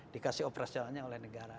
dikasih operasionalnya oleh negara